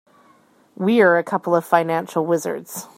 We're a couple of financial wizards.